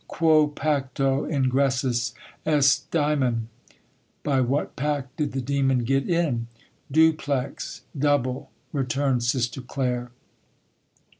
"Quo pacto ingressus est daemon"(By what pact did the demon get in?). "Duplex" (Double), returned Sister Claire.